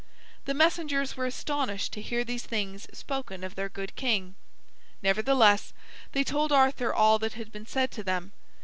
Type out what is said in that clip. The messengers were astonished to hear these things spoken of their good king. Nevertheless, they told Arthur all that had been said to them.